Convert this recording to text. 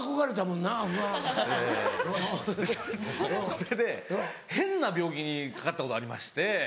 それで変な病気にかかったことありまして。